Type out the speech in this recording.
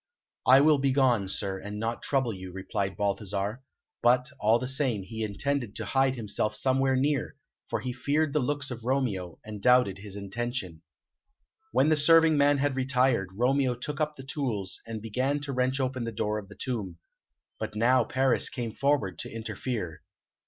"I will begone, sir, and not trouble you," replied Balthasar; but, all the same, he intended to hide himself somewhere near, for he feared the looks of Romeo, and doubted his intention. When the serving man had retired, Romeo took up the tools, and began to wrench open the door of the tomb. But now Paris came forward to interfere.